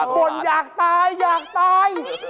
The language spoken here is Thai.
บ่นอยากตายอยากตาย